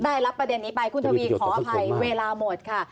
ได้รับประเด็นนี้ไปคุณทวีขออภัยเวลาหมดค่ะ